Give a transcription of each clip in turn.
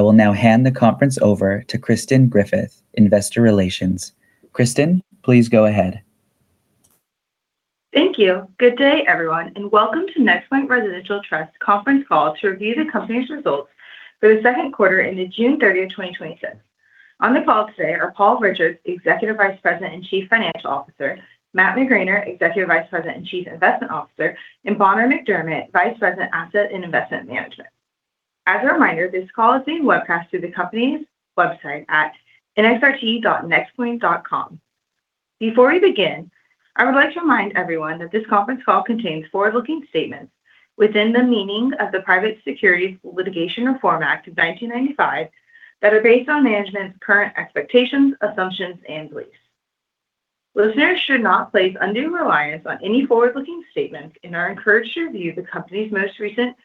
I will now hand the conference over to Kristen Griffith, investor relations. Kristen, please go ahead. Thank you. Good day, everyone, and welcome to NexPoint Residential Trust conference call to review the company's results for the second quarter ended June 30th, 2026. On the call today are Paul Richards, Executive Vice President and Chief Financial Officer, Matt McGraner, Executive Vice President and Chief Investment Officer, and Bonner McDermett, Vice President, Asset and Investment Management. As a reminder, this call is being webcast through the company's website at nxrt.nexpoint.com. Before we begin, I would like to remind everyone that this conference call contains forward-looking statements within the meaning of the Private Securities Litigation Reform Act of 1995 that are based on management's current expectations, assumptions, and beliefs. Listeners should not place undue reliance on any forward-looking statements and are encouraged to review the company's most recent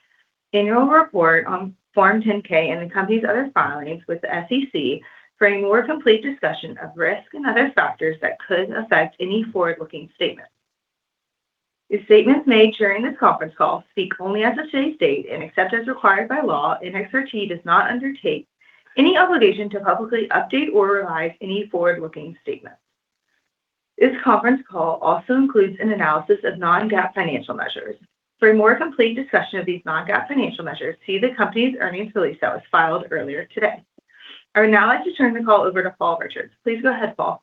annual report on Form 10-K and the company's other filings with the SEC for a more complete discussion of risks and other factors that could affect any forward-looking statement. The statements made during this conference call speak only as of today's date, and except as required by law, NXRT does not undertake any obligation to publicly update or revise any forward-looking statements. This conference call also includes an analysis of non-GAAP financial measures. For a more complete discussion of these non-GAAP financial measures, see the company's earnings release that was filed earlier today. I would now like to turn the call over to Paul Richards. Please go ahead, Paul.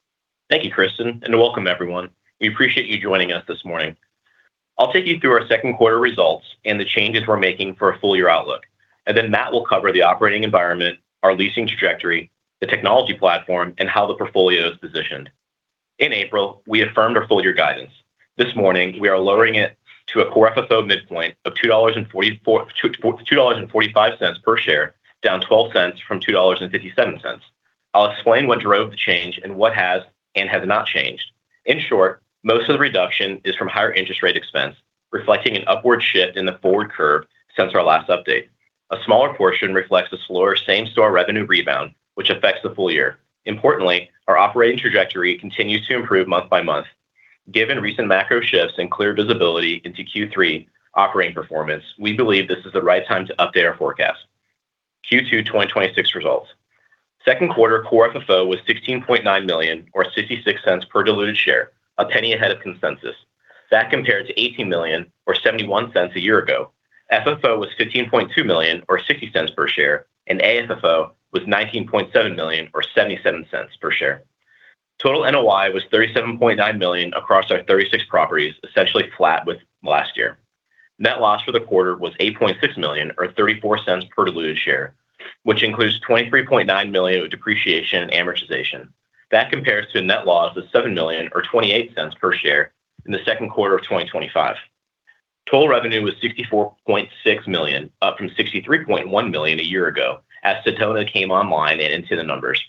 Thank you, Kristen, and welcome everyone. We appreciate you joining us this morning. I'll take you through our second quarter results and the changes we're making for a full-year outlook, and then Matt will cover the operating environment, our leasing trajectory, the technology platform, and how the portfolio is positioned. In April, we affirmed our full-year guidance. This morning, we are lowering it to a core FFO midpoint of $2.45 per share, down $0.12 from $2.57. I'll explain what drove the change and what has, and has not changed. In short, most of the reduction is from higher interest rate expense, reflecting an upward shift in the forward curve since our last update. A smaller portion reflects a slower same-store revenue rebound, which affects the full year. Importantly, our operating trajectory continues to improve month by month. Given recent macro shifts and clear visibility into Q3 operating performance, we believe this is the right time to update our forecast. Q2 2026 results. Second quarter core FFO was $16.9 million, or $0.66 per diluted share, a penny ahead of consensus. That compared to $18 million, or $0.71 a year ago. FFO was $15.2 million or $0.60 per share, and AFFO was $19.7 million or $0.77 per share. Total NOI was $37.9 million across our 36 properties, essentially flat with last year. Net loss for the quarter was $8.6 million or $0.34 per diluted share, which includes $23.9 million of depreciation amortization. That compares to a net loss of $7 million or $0.28 per share in the second quarter of 2025. Total revenue was $64.6 million, up from $63.1 million a year ago as Sedona came online and into the numbers.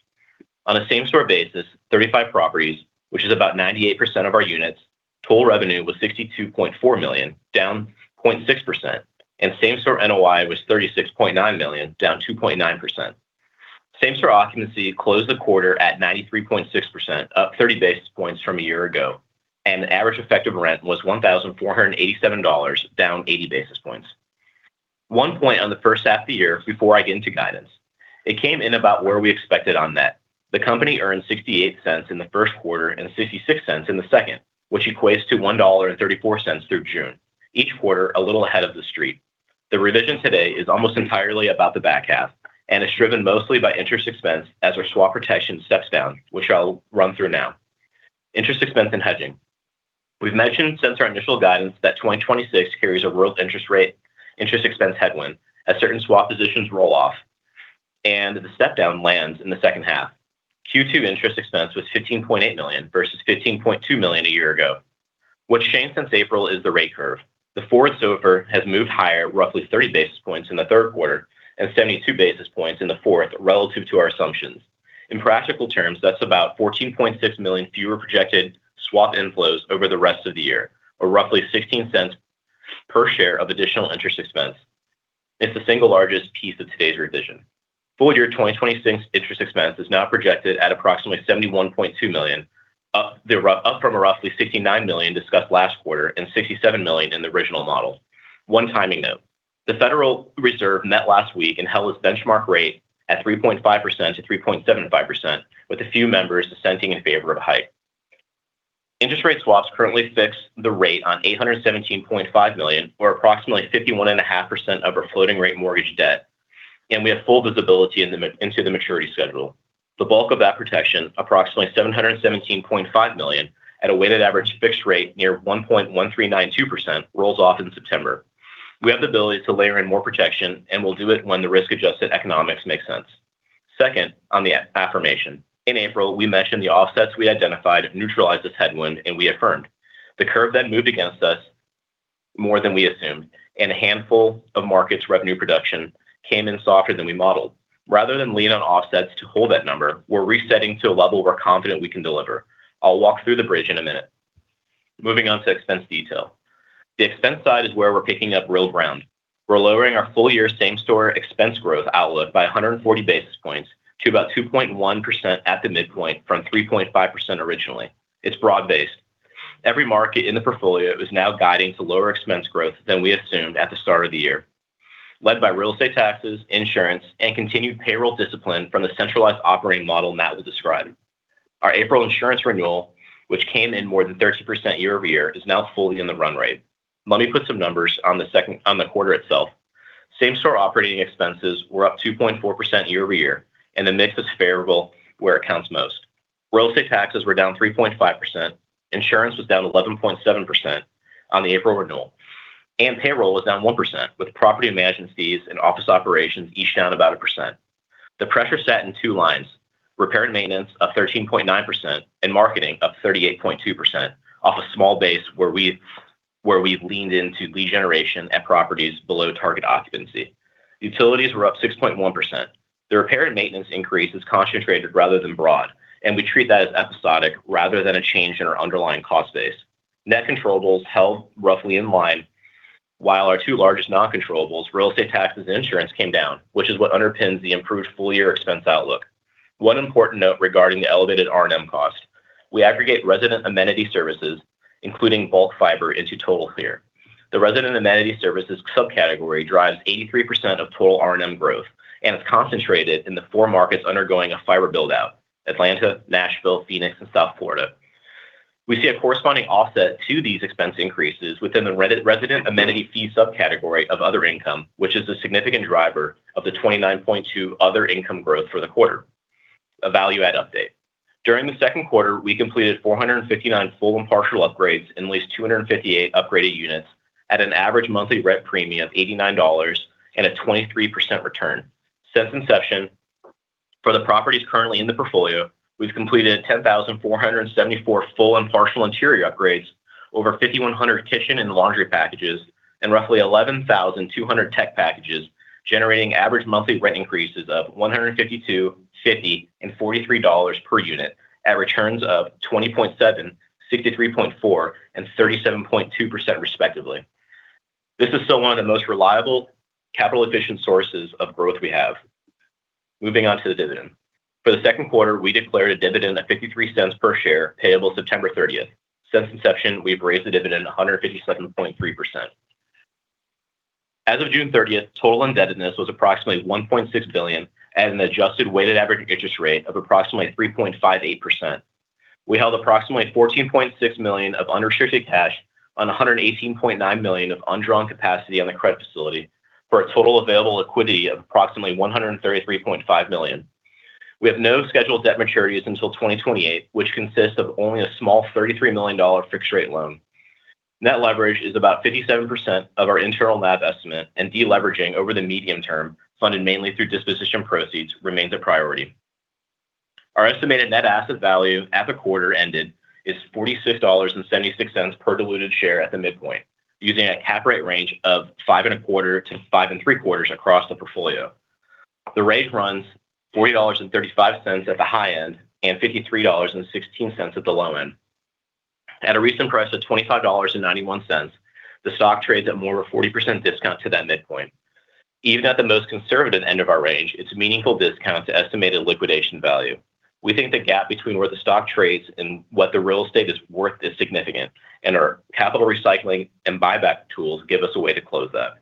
On a same-store basis, 35 properties, which is about 98% of our units, total revenue was $62.4 million, down 0.6%, and same-store NOI was $36.9 million, down 2.9%. Same-store occupancy closed the quarter at 93.6%, up 30 basis points from a year ago, and the average effective rent was $1,487, down 80 basis points. One point on the first half of the year before I get into guidance. It came in about where we expected on net. The company earned $0.68 in the first quarter and $0.66 in the second, which equates to $1.34 through June. Each quarter, a little ahead of the street. The revision today is almost entirely about the back half, and is driven mostly by interest expense as our swap protection steps down, which I'll run through now. Interest expense and hedging. We've mentioned since our initial guidance that 2026 carries a real interest expense headwind as certain swap positions roll off, and the step-down lands in the second half. Q2 interest expense was $15.8 million versus $15.2 million a year ago. What's changed since April is the rate curve. The forward SOFR has moved higher roughly 30 basis points in the third quarter and 72 basis points in the fourth relative to our assumptions. In practical terms, that's about $14.6 million fewer projected swap inflows over the rest of the year, or roughly $0.16 per share of additional interest expense. It's the single largest piece of today's revision. Full-year 2026 interest expense is now projected at approximately $71.2 million, up from a roughly $69 million discussed last quarter and $67 million in the original model. One timing note. The Federal Reserve met last week and held its benchmark rate at 3.5%-3.75%, with a few members dissenting in favor of a hike. Interest rate swaps currently fix the rate on $817.5 million, or approximately 51.5% of our floating-rate mortgage debt, and we have full visibility into the maturity schedule. The bulk of that protection, approximately $717.5 million at a weighted average fixed rate near 1.1392%, rolls off in September. We have the ability to layer in more protection, and will do it when the risk-adjusted economics make sense. Second, on the affirmation. In April, we mentioned the offsets we identified neutralize this headwind, and we affirmed. The curve moved against us more than we assumed, and a handful of markets' revenue production came in softer than we modeled. Rather than lean on offsets to hold that number, we're resetting to a level we're confident we can deliver. I'll walk through the bridge in a minute. Moving on to expense detail. The expense side is where we're picking up real ground. We're lowering our full-year same-store expense growth outlook by 140 basis points to about 2.1% at the midpoint from 3.5% originally. It's broad based. Every market in the portfolio is now guiding to lower expense growth than we assumed at the start of the year, led by real estate taxes, insurance, and continued payroll discipline from the centralized operating model Matt will describe. Our April insurance renewal, which came in more than 30% year-over-year, is now fully in the run rate. Let me put some numbers on the quarter itself. Same-store operating expenses were up 2.4% year-over-year. The mix is favorable where it counts most. Real estate taxes were down 3.5%, insurance was down 11.7% on the April renewal, and payroll was down 1%, with property management fees and office operations each down about 1%. The pressure sat in two lines, repair and maintenance of 13.9% and marketing up 38.2% off a small base where we've leaned into lead generation at properties below target occupancy. Utilities were up 6.1%. The repair and maintenance increase is concentrated rather than broad. We treat that as episodic rather than a change in our underlying cost base. Net controllables held roughly in line, while our two largest non-controllables, real estate taxes, insurance came down, which is what underpins the improved full-year expense outlook. One important note regarding the elevated R&M cost. We aggregate resident amenity services, including bulk fiber, into total here. The resident amenity services subcategory drives 83% of total R&M growth and is concentrated in the four markets undergoing a fiber build-out: Atlanta, Nashville, Phoenix, and South Florida. We see a corresponding offset to these expense increases within the resident amenity fee subcategory of other income, which is a significant driver of the 29.2 other income growth for the quarter. A value add update. During the second quarter, we completed 459 full and partial upgrades and leased 258 upgraded units at an average monthly rent premium of $89 and a 23% return. Since inception, for the properties currently in the portfolio, we've completed 10,474 full and partial interior upgrades, over 5,100 kitchen and laundry packages, and roughly 11,200 tech packages, generating average monthly rent increases of $152, $50, and $43 per unit at returns of 20.7%, 63.4%, and 37.2% respectively. This is still one of the most reliable capital-efficient sources of growth we have. Moving on to the dividend. For the second quarter, we declared a dividend of $0.53 per share, payable September 30th. Since incepttion, we've raised the dividend 157.3%. As of June 30th, total indebtedness was approximately $1.6 billion at an adjusted weighted average interest rate of approximately 3.58%. We held approximately $14.6 million of unrestricted cash on $118.9 million of undrawn capacity on the credit facility for a total available liquidity of approximately $133.5 million. We have no scheduled debt maturities until 2028, which consists of only a small $33 million fixed rate loan. Net leverage is about 57% of our internal NAV estimate, and de-leveraging over the medium term, funded mainly through disposition proceeds, remains a priority. Our estimated net asset value as the quarter ended is $46.76 per diluted share at the midpoint, using a cap rate range of 5.25%-5.75% across the portfolio. The range runs $40.35 at the high end and $53.16 at the low end. At a recent price of $25.91, the stock trades at more of a 40% discount to that midpoint. Even at the most conservative end of our range, it's a meaningful discount to estimated liquidation value. We think the gap between where the stock trades and what the real estate is worth is significant. Our capital recycling and buyback tools give us a way to close that.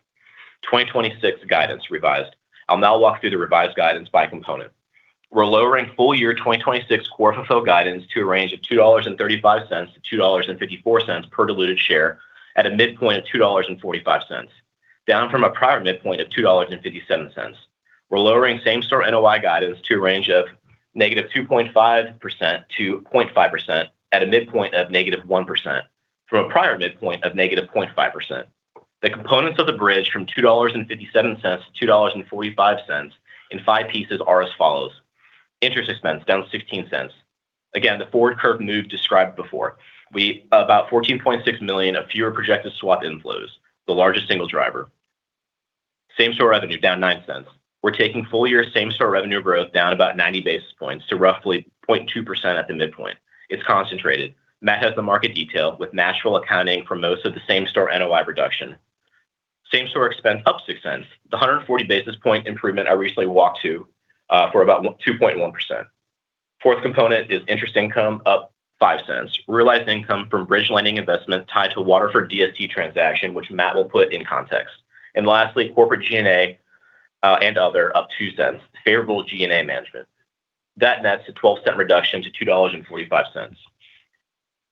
2026 guidance revised. I'll now walk through the revised guidance by component. We're lowering full year 2026 core FFO guidance to a range of $2.35-$2.54 per diluted share at a midpoint of $2.45, down from a prior midpoint of $2.57. We're lowering same-store NOI guidance to a range of -2.5% to 0.5% at a midpoint of -1% from a prior midpoint of -0.5%. The components of the bridge from $2.57 to $2.45 in five pieces are as follows. Interest expense, down $0.16. Again, the forward curve move described before. About $14.6 million of fewer projected swap inflows, the largest single driver. Same-store revenue, down $0.09. We're taking full-year same-store revenue growth down about 90 basis points to roughly 0.2% at the midpoint. It's concentrated. Matt has the market detail, with Nashville accounting for most of the same-store NOI reduction. Same-store expense up $0.06. The 140-basis point improvement I recently walked to for about 2.1%. Fourth component is interest income up $0.05. Realized income from bridge lending investment tied to Waterford DST transaction, which Matt will put in context. Lastly, corporate G&A and other, up $0.02. Favorable G&A management. That nets a $0.12 reduction to $2.45.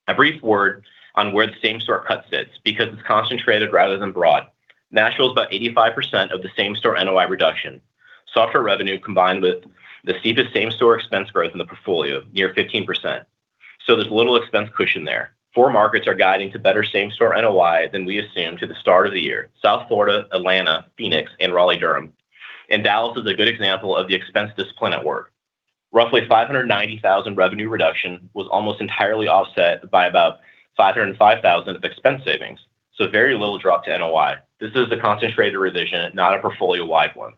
A brief word on where the same-store cut sits because it's concentrated rather than broad. Nashville is about 85% of the same-store NOI reduction. Softer revenue combined with the steepest same-store expense growth in the portfolio, near 15%. There's little expense cushion there. Four markets are guiding to better same-store NOI than we assumed at the start of the year. South Florida, Atlanta, Phoenix, and Raleigh-Durham. Dallas is a good example of the expense discipline at work. Roughly $590,000 revenue reduction was almost entirely offset by about $505,000 of expense savings. Very little drop to NOI. This is a concentrated revision, not a portfolio-wide one.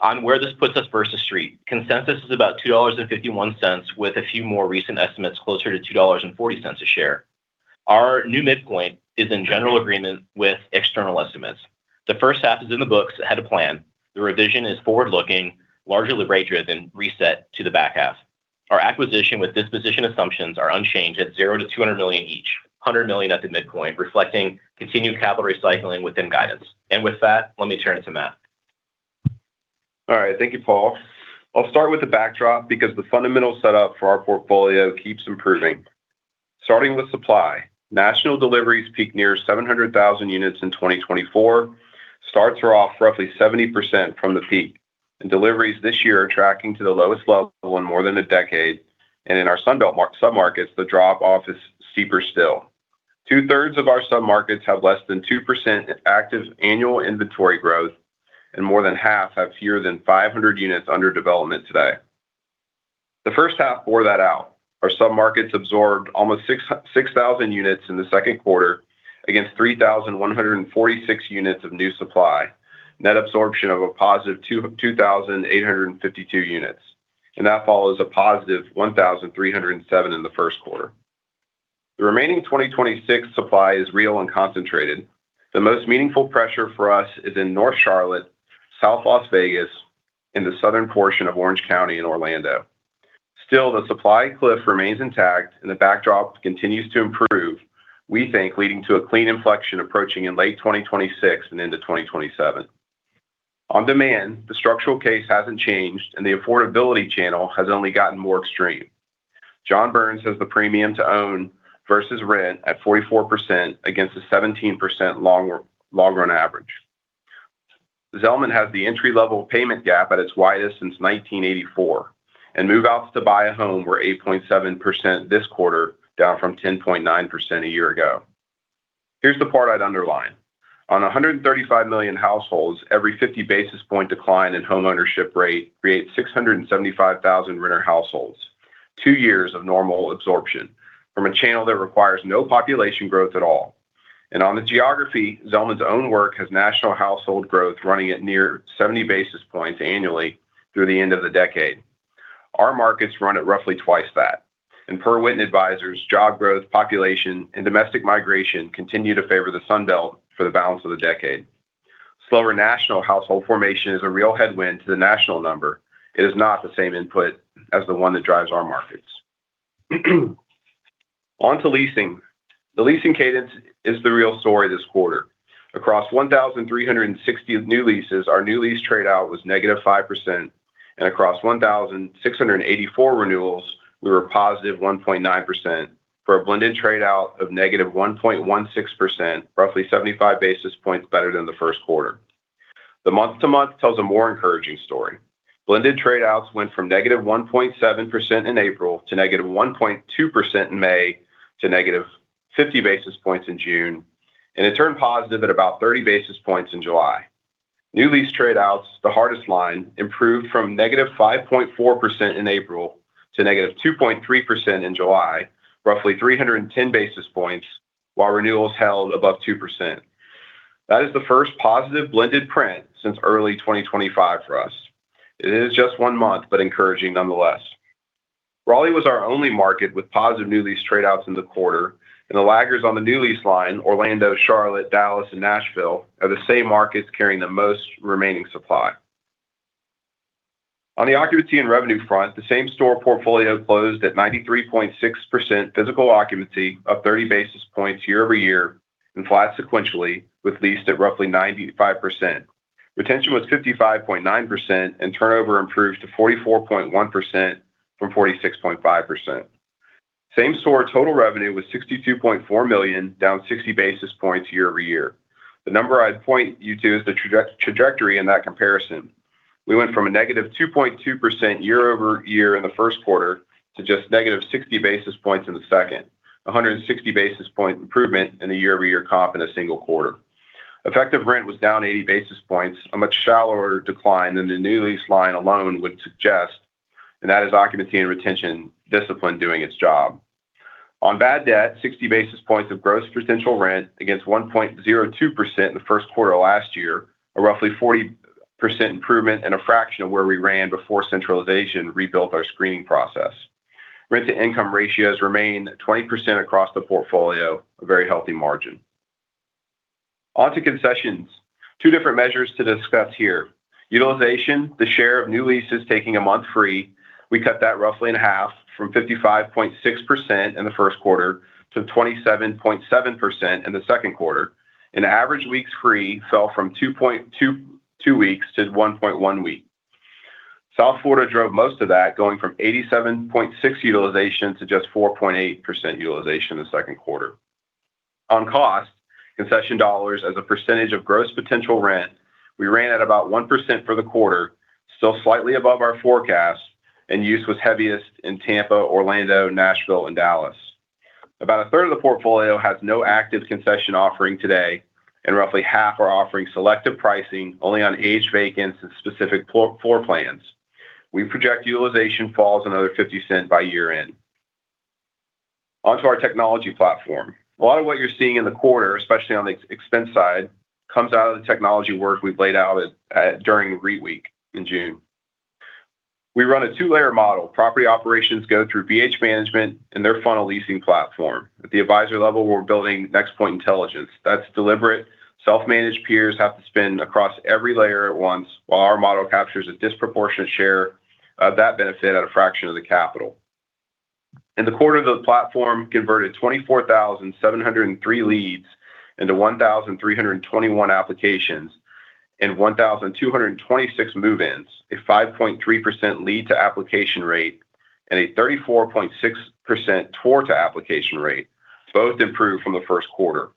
On where this puts us versus Street. Consensus is about $2.51 with a few more recent estimates closer to $2.40 a share. Our new midpoint is in general agreement with external estimates. The first half is in the books. It had a plan. The revision is forward-looking, largely rate-driven, reset to the back half. Our acquisition with disposition assumptions are unchanged at $0-$200 million each, $100 million at the midpoint, reflecting continued capital recycling within guidance. With that, let me turn it to Matt. All right. Thank you, Paul. I'll start with the backdrop because the fundamental setup for our portfolio keeps improving. Starting with supply, national deliveries peaked near 700,000 units in 2024. Starts are off roughly 70% from the peak. Deliveries this year are tracking to the lowest level in more than a decade. In our Sun Belt submarkets, the drop off is steeper still. Two-thirds of our submarkets have less than 2% active annual inventory growth, and more than half have fewer than 500 units under development today. The first half bore that out. Our submarkets absorbed almost 6,000 units in the second quarter against 3,146 units of new supply. Net absorption of a +2,852 units. That follows a +1,307 in the first quarter. The remaining 2026 supply is real and concentrated. The most meaningful pressure for us is in North Charlotte, South Las Vegas, and the southern portion of Orange County in Orlando. Still, the supply cliff remains intact, and the backdrop continues to improve, we think, leading to a clean inflection approaching in late 2026 and into 2027. On demand, the structural case hasn't changed, and the affordability channel has only gotten more extreme. John Burns has the premium to own versus rent at 44% against a 17% long-run average. Zelman has the entry-level payment gap at its widest since 1984, and move-outs to buy a home were 8.7% this quarter, down from 10.9% a year ago. Here's the part I'd underline. On 135 million households, every 50 basis point decline in home ownership rate creates 675,000 renter households. Two years of normal absorption from a channel that requires no population growth at all. On the geography, Zelman's own work has national household growth running at near 70 basis points annually through the end of the decade. Our markets run at roughly twice that. Per Witten Advisors, job growth, population, and domestic migration continue to favor the Sun Belt for the balance of the decade. Slower national household formation is a real headwind to the national number. It is not the same input as the one that drives our markets. On to leasing. The leasing cadence is the real story this quarter. Across 1,360 new leases, our new lease trade out was -5%, and across 1,684 renewals, we were a +1.9%, for a blended trade out of -1.16%, roughly 75 basis points better than the first quarter. The month-to-month tells a more encouraging story. Blended trade outs went from -1.7% in April to -1.2% in May to -50 basis points in June. It turned positive at about 30 basis points in July. New lease trade outs, the hardest line, improved from -5.4% in April to -2.3% in July, roughly 310 basis points, while renewals held above 2%. That is the first positive blended print since early 2025 for us. It is just one month, but encouraging nonetheless. Raleigh was our only market with positive new lease trade outs in the quarter, and the laggards on the new lease line, Orlando, Charlotte, Dallas, and Nashville, are the same markets carrying the most remaining supply. On the occupancy and revenue front, the same-store portfolio closed at 93.6% physical occupancy, up 30 basis points year-over-year and flat sequentially, with leased at roughly 95%. Retention was 55.9%, and turnover improved to 44.1% from 46.5%. Same-store total revenue was $62.4 million, down 60 basis points year-over-year. The number I'd point you to is the trajectory in that comparison. We went from a -2.2% year-over-year in the first quarter to just -60 basis points in the second. 160 basis point improvement in a year-over-year comp in a single quarter. Effective rent was down 80 basis points, a much shallower decline than the new lease line alone would suggest. That is occupancy and retention discipline doing its job. On bad debt, 60 basis points of gross potential rent against 1.02% in the first quarter of last year, a roughly 40% improvement and a fraction of where we ran before centralization rebuilt our screening process. Rent to income ratios remain 20% across the portfolio, a very healthy margin. On to concessions. Two different measures to discuss here. Utilization, the share of new leases taking a month free, we cut that roughly in half from 55.6% in the first quarter to 27.7% in the second quarter. Average weeks free fell from 2.2 weeks to 1.1 week. South Florida drove most of that, going from 87.6 utilization to just 4.8% utilization in the second quarter. On cost, concession dollars as a percentage of gross potential rent, we ran at about 1% for the quarter, still slightly above our forecast. Use was heaviest in Tampa, Orlando, Nashville, and Dallas. About a third of the portfolio has no active concession offering today, and roughly half are offering selective pricing only on aged vacants and specific floor plans. We project utilization falls another $0.50 by year-end. On to our technology platform. A lot of what you're seeing in the quarter, especially on the expense side, comes out of the technology work we've laid out during REITweek in June. We run a two-layer model. Property operations go through BH Management and their funnel leasing platform. At the advisor level, we're building NexPoint intelligence. That's deliberate. Self-managed peers have to spin across every layer at once, while our model captures a disproportionate share of that benefit at a fraction of the capital. In the quarter, the platform converted 24,703 leads into 1,321 applications and 1,226 move-ins, a 5.3% lead-to-application rate, a 34.6% tour-to-application rate, both improved from the first quarter.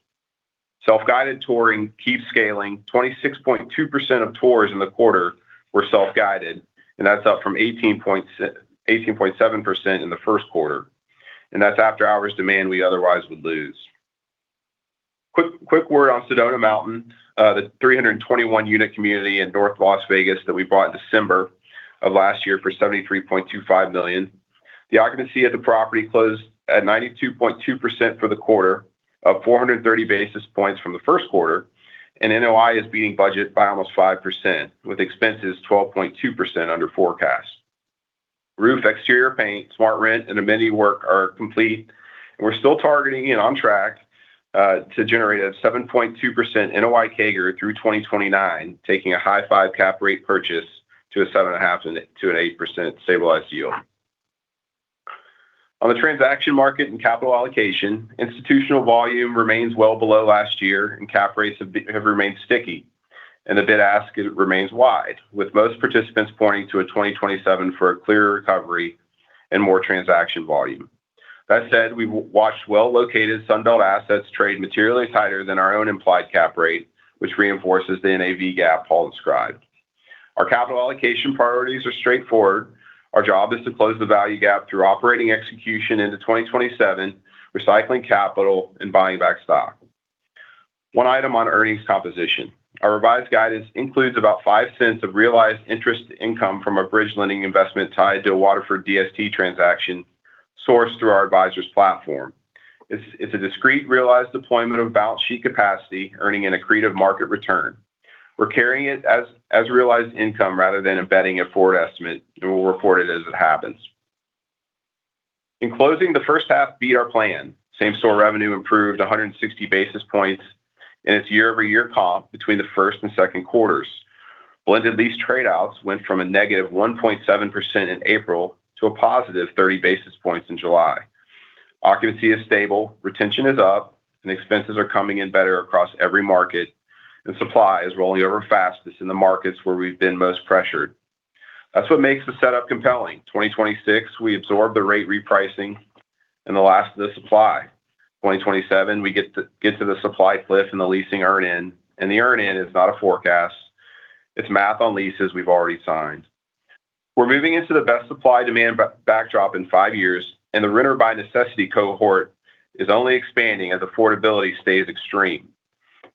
Self-guided touring keeps scaling. 26.2% of tours in the quarter were self-guided, and that's up from 18.7% in the first quarter. That's after-hours demand we otherwise would lose. Quick word on Sedona Mountain, the 321-unit community in North Las Vegas that we bought in December of last year for $73.25 million. The occupancy at the property closed at 92.2% for the quarter, up 430 basis points from the first quarter. NOI is beating budget by almost 5%, with expenses 12.2% under forecast. Roof, exterior paint, SmartRent, and amenity work are complete. We're still targeting and on track to generate a 7.2% NOI CAGR through 2029, taking a high five cap rate purchase to a 7.5%-8% stabilized yield. On the transaction market and capital allocation, institutional volume remains well below last year. Cap rates have remained sticky. The bid-ask remains wide, with most participants pointing to 2027 for a clear recovery and more transaction volume. That said, we watched well-located Sun Belt assets trade materially tighter than our own implied cap rate, which reinforces the NAV gap Paul described. Our capital allocation priorities are straightforward. Our job is to close the value gap through operating execution into 2027, recycling capital, and buying back stock. One item on earnings composition. Our revised guidance includes about $0.05 of realized interest income from a bridge lending investment tied to a Waterford DST transaction sourced through our advisor's platform. It's a discrete realized deployment of balance sheet capacity earning an accretive market return. We're carrying it as realized income rather than embedding a forward estimate. We'll report it as it happens. In closing, the first half beat our plan. Same-store revenue improved 160 basis points in its year-over-year comp between the first and second quarters. Blended lease trade outs went from a -1.7% in April to a +30 basis points in July. Occupancy is stable. Retention is up. Expenses are coming in better across every market. Supply is rolling over fastest in the markets where we've been most pressured. That's what makes the setup compelling. 2026, we absorb the rate repricing and the last of the supply. 2027, we get to the supply cliff and the leasing earn-in. The earn-in is not a forecast. It's math on leases we've already signed. We're moving into the best supply-demand backdrop in five years. The renter-by-necessity cohort is only expanding as affordability stays extreme.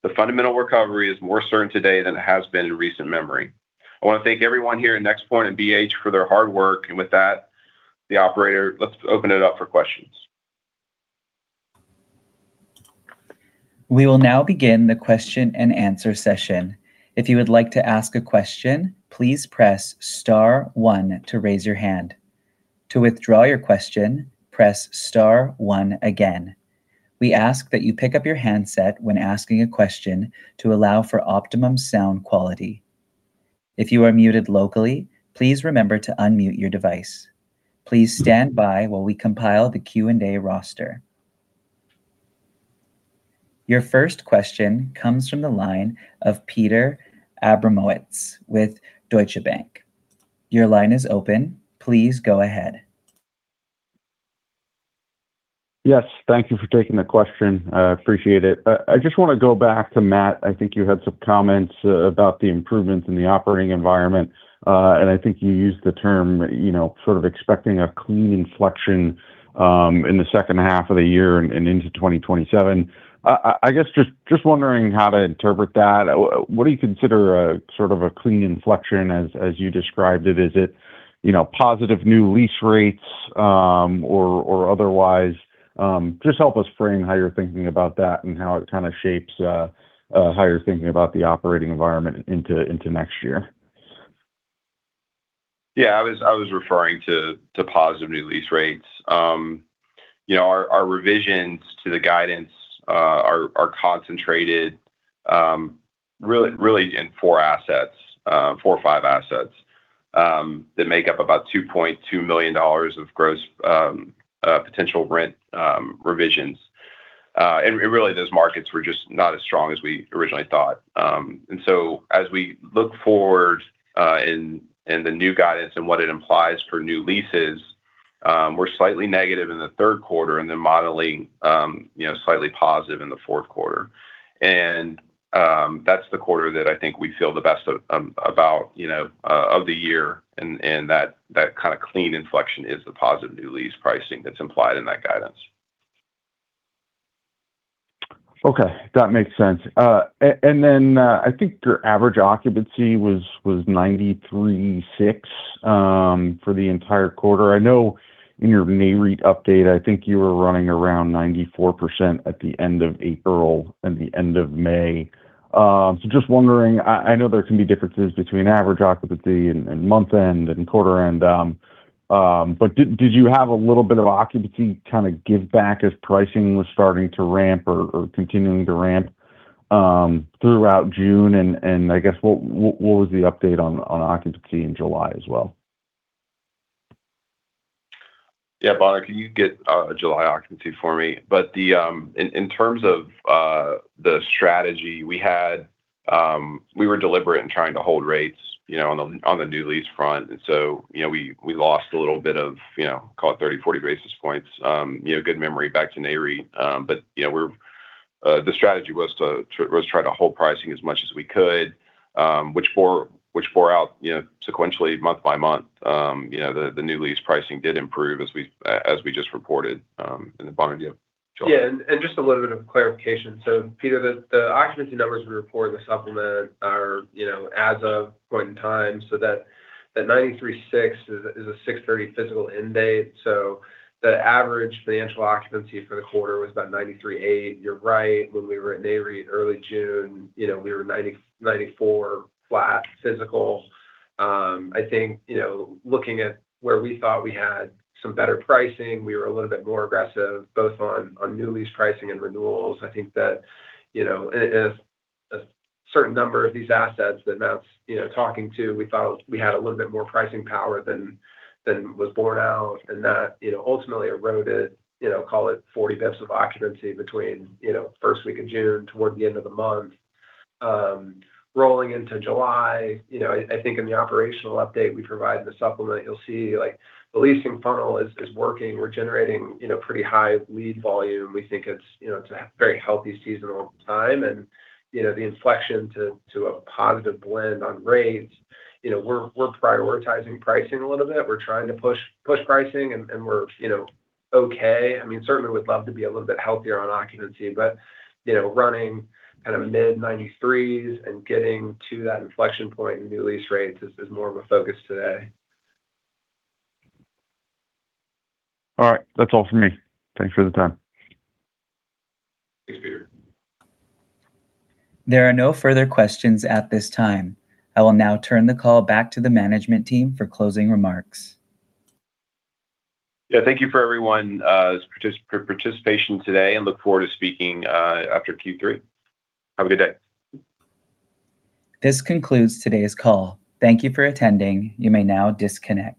The fundamental recovery is more certain today than it has been in recent memory. I want to thank everyone here at NexPoint and BH for their hard work. With that, the operator, let's open it up for questions. We will now begin the question-and-answer session. If you would like to ask a question, please press star one to raise your hand. To withdraw your question, press star one again. We ask that you pick up your handset when asking a question to allow for optimum sound quality. If you are muted locally, please remember to unmute your device. Please stand by while we compile the Q&A roster. Your first question comes from the line of Peter Abramowitz with Deutsche Bank. Your line is open. Please go ahead. Yes. Thank you for taking the question. I appreciate it. I just want to go back to Matt. I think you had some comments about the improvements in the operating environment. I think you used the term sort of expecting a clean inflection in the second half of the year and into 2027. I guess, just wondering how to interpret that. What do you consider sort of a clean inflection as you described it? Is it positive new lease rates, or otherwise? Just help us frame how you're thinking about that and how it kind of shapes how you're thinking about the operating environment into next year. Yeah. I was referring to positive new lease rates. Our revisions to the guidance are concentrated really in four or five assets that make up about $2.2 million of gross potential rent revisions. Really, those markets were just not as strong as we originally thought. As we look forward in the new guidance and what it implies for new leases, we're slightly negative in the third quarter and then modeling slightly positive in the fourth quarter. That's the quarter that I think we feel the best about of the year, and that kind of clean inflection is the positive new lease pricing that's implied in that guidance. Okay, that makes sense. I think your average occupancy was 93.6% for the entire quarter. I know in your may REIT update, I think you were running around 94% at the end of April and the end of May. Just wondering, I know there can be differences between average occupancy and month end and quarter end, but did you have a little bit of occupancy kind of give back as pricing was starting to ramp or continuing to ramp throughout June? I guess, what was the update on occupancy in July as well? Yeah. Bonner, can you get July occupancy for me? In terms of the strategy, we were deliberate in trying to hold rates on the new lease front. We lost a little bit of, call it 30, 40 basis points. Good memory back to NAREIT. The strategy was to try to hold pricing as much as we could. Which bore out sequentially month-over-month. The new lease pricing did improve as we just reported. Bonner, do you have Yeah, just a little bit of clarification. Peter, the occupancy numbers we report in the supplement are as of point in time, so that 93.6 is a 6/30 physical end date. The average financial occupancy for the quarter was about 93.8. You're right, when we were at NAREIT early June, we were 94 flat physical. I think, looking at where we thought we had some better pricing, we were a little bit more aggressive both on our new lease pricing and renewals. I think that a certain number of these assets that Matt's talking to, we thought we had a little bit more pricing power than was borne out, and that ultimately eroded, call it 40 basis points of occupancy between first week of June toward the end of the month. Rolling into July, I think in the operational update we provide the supplement. You'll see the leasing funnel is working. We're generating pretty high lead volume. We think it's a very healthy seasonal time and the inflection to a positive blend on rates. We're prioritizing pricing a little bit. We're trying to push pricing, and we're okay. Certainly would love to be a little bit healthier on occupancy, but running kind of mid-93s and getting to that inflection point in new lease rates is more of a focus today. All right. That's all for me. Thanks for the time. Thanks, Peter. There are no further questions at this time. I will now turn the call back to the management team for closing remarks. Yeah, thank you for everyone's participation today and look forward to speaking after Q3. Have a good day. This concludes today's call. Thank you for attending. You may now disconnect.